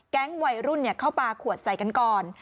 วัยรุ่นเข้าปลาขวดใส่กันก่อน